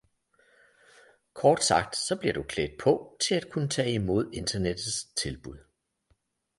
Kort sagt så bliver du klædt på til at kunne tage imod internettets tilbud